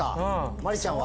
麻里ちゃんは？